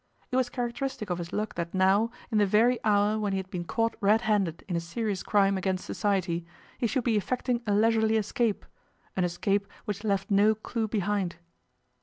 It was characteristic of his luck that now, in the very hour when he had been caught red handed in a serious crime against society, he should be effecting a leisurely escape an escape which left no clue behind.